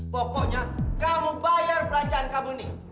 pokoknya kamu bayar belanjaan kamu nih